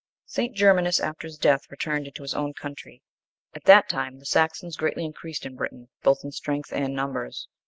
50. St. Germanus, after his death, returned into his own country. *At that time, the Saxons greatly increased in Britain, both in strength and numbers.